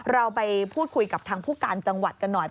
เราไปพูดคุยกับทางผู้การจังหวัดกันหน่อย